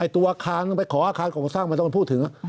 ตัวอาคารต้องไปขออาคารของผู้สร้างมาต้องพูดถึง